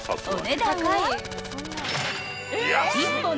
お値段は］